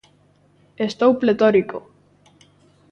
Estou pletórico.